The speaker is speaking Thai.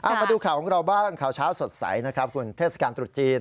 มาดูข่าวของเราบ้างข่าวเช้าสดใสนะครับคุณเทศกาลตรุษจีน